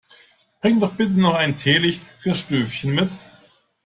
Bring doch bitte noch ein Teelicht fürs Stövchen mit!